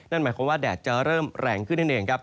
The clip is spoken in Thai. นั่นหมายความว่าแดดจะเริ่มแรงขึ้นนั่นเองครับ